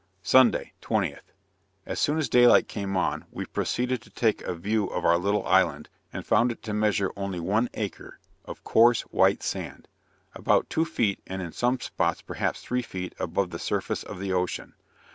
Sunday, 20th. As soon as day light came on, we proceeded to take a view of our little island, and found it to measure only one acre, of coarse, white sand; about two feet, and in some spots perhaps three feet above the surface of the ocean.